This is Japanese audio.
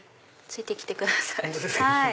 ついて来てください。